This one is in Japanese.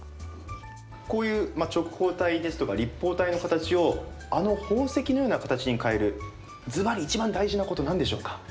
こういう直方体ですとか立方体の形をあの宝石のような形に変えるずばり、いちばん大事なこと何でしょうか？